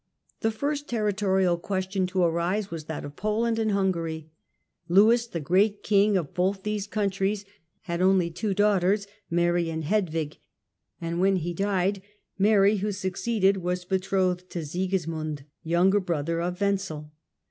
The first terri torial question to arise was that of Poland and Hungary. Lewis the Great, King of both these countries, had only two daughters, Mary and Hedwig, and when he died Mary, who succeeded, was betrothed to Sigismund, Polish and youuger brother of Wenzel.